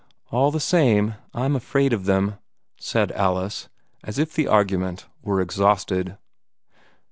"All the same I'm afraid of them," said Alice, as if argument were exhausted.